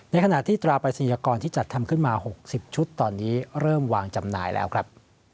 ขณะที่ตราปรายศนียกรที่จัดทำขึ้นมา๖๐ชุดตอนนี้เริ่มวางจำหน่ายแล้วครับ